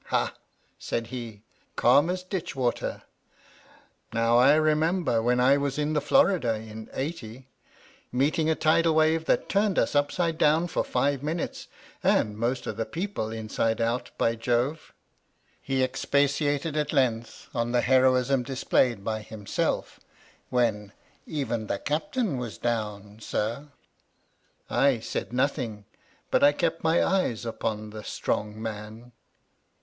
"Hahl" said he, "calm as ditch water! Now I remember when I was in the Florida in '80, meeting a tidal wave that turned us upside down for five minutes, and most of the people inside out, by Jove 1" He expatiated at length on the heroism displayed by himself when "even the Captain was down, sirl" I said nothing, but I kept my eyes upon the strong man.